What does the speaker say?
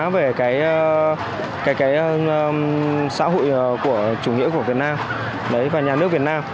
về xã hội chủ nghĩa của việt nam và nhà nước việt nam